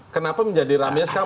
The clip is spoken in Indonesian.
kenapa menjadi rame sekarang